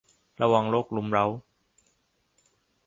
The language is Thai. ระวังโรครุมเร้า